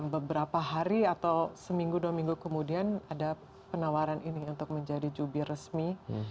beberapa hari atau seminggu dua minggu kemudian ada penawaran ini untuk menjadi jubir resmi